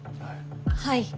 はい。